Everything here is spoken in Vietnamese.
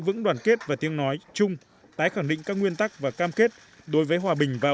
vững đoàn kết và tiếng nói chung tái khẳng định các nguyên tắc và cam kết đối với hòa bình và